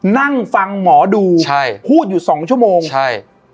นั่งฟังหมอดูใช่พูดอยู่สองชั่วโมงใช่